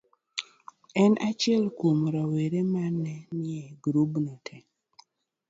Ne en achiel kuom rowere ma ne nie grubno te.